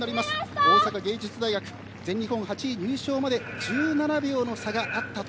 大阪芸術大学全日本８位入賞まで１７秒の差があったと。